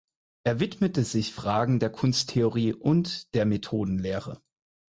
Er widmete sich Fragen der Kunsttheorie und der Methodenlehre.